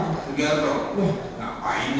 lalu pak gepang